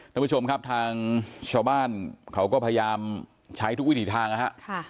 ท่านผู้ชมครับทางชาวบ้านเขาก็พยายามใช้ทุกวิถีทางนะฮะ